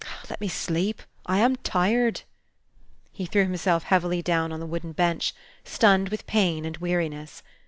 Let me sleep. I am tired." He threw himself heavily down on the wooden bench, stunned with pain and weariness.